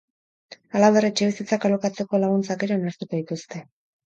Halaber, etxebizitzak alokatzeko laguntzak ere onartuko dituzte.